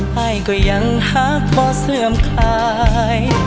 ให้ก็ยังหักบ่เสื่อมคลาย